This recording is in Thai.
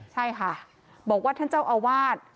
ใช่ค่ะบอกว่าท่านเจ้าอาวาส